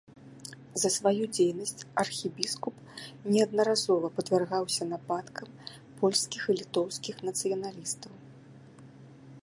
За сваю дзейнасць архібіскуп неаднаразова падвяргаўся нападкам польскіх і літоўскіх нацыяналістаў.